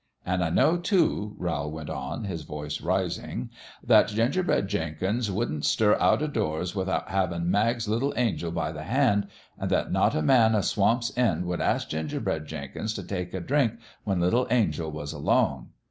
An' I know, too," Rowl went on, his voice rising, " that Gingerbread Jenkins wouldn't stir out o' doors without havin' Mag's little Angel by the hand, an' that not a man o' Swamp's End would ask Gingerbread Jenkins t' take a drink when little Angel was along.